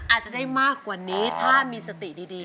อาจจะได้มากกว่านี้ถ้ามีสติดี